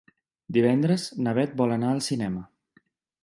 Divendres na Beth vol anar al cinema.